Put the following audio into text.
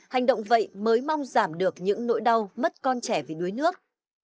hành động vậy mới mong giảm được những nỗi đau mất con trẻ vì đuối nước